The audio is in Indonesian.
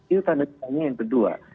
itu tanda tanya yang kedua